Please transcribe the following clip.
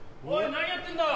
何やってんだ！